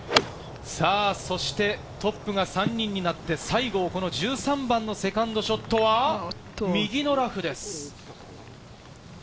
そしてトップが３人になって西郷、この１３番のセカンドショットは右のラフです。